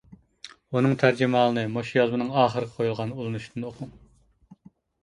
ئۇنىڭ تەرجىمىھالىنى مۇشۇ يازمىنىڭ ئاخىرىغا قويۇلغان ئۇلىنىشتىن ئوقۇڭ.